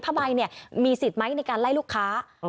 ผ้าใบเนี่ยมีสิทธิ์ไหมในการไล่ลูกค้า